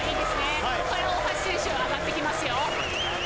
今回も大橋選手上がってきますよ。